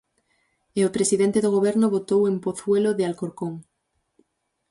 E o presidente do Goberno votou en Pozuelo de Alcorcón.